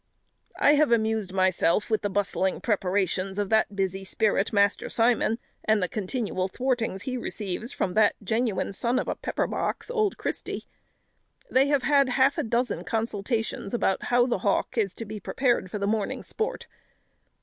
I have amused myself with the bustling preparations of that busy spirit, Master Simon, and the continual thwartings he receives from that genuine son of a pepper box, old Christy. They have had half a dozen consultations about how the hawk is to be prepared for the morning's sport.